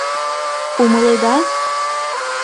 Умыледа?